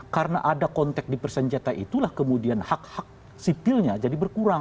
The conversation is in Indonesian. karena ada konteks dipersenjatai itulah kemudian hak hak sipilnya jadi berkurang